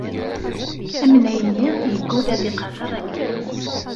Amnay-nni yeggul ad iqader agellid.